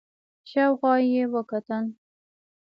شاو خوا يې وکتل.